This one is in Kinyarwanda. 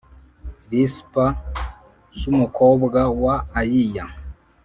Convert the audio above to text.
Risipa s umukobwa wa Ayiya